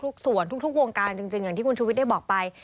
ทุกส่วนทุกวงการจริงอย่างที่คุณชุวิตได้บอกไป